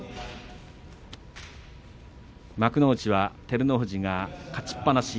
幕内は照ノ富士が勝ちっぱなし。